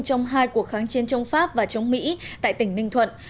trong hai cuộc kháng chiến chống pháp và chống mỹ tại tỉnh ninh thuận